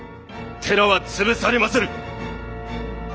寺は潰されまする！